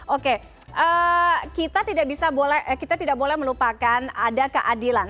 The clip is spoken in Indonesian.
oke kita tidak boleh melupakan ada keadilan